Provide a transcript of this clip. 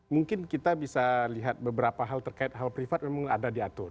mungkin kita bisa lihat beberapa hal terkait hal privat memang ada diatur